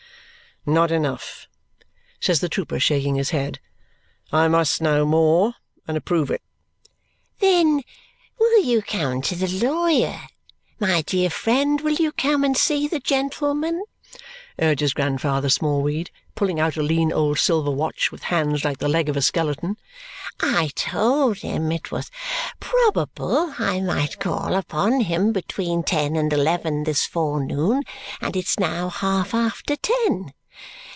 "Not enough," says the trooper, shaking his head. "I must know more, and approve it." "Then, will you come to the lawyer? My dear friend, will you come and see the gentleman?" urges Grandfather Smallweed, pulling out a lean old silver watch with hands like the leg of a skeleton. "I told him it was probable I might call upon him between ten and eleven this forenoon, and it's now half after ten.